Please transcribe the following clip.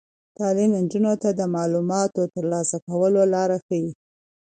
تعلیم نجونو ته د معلوماتو د ترلاسه کولو لار ښيي.